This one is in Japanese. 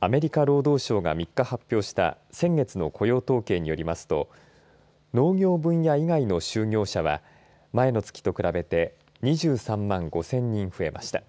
アメリカ労働省が３日発表した先月の雇用統計によりますと農業分野以外の就業者は前の月と比べて２３万５０００人増えました。